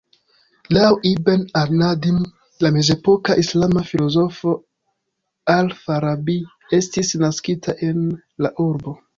Laŭ "Ibn al-Nadim", la mezepoka islama filozofo "Al-Farabi" estis naskita en la urbo.